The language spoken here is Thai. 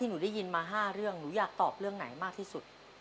หนูได้ยินมา๕เรื่องหนูอยากตอบเรื่องไหนมากที่สุด